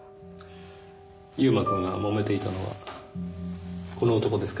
悠馬くんがもめていたのはこの男ですか？